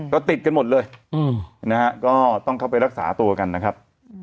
ก็ติดกันหมดเลยนะฮะก็ต้องเข้าไปรักษาตัวกันนะครับ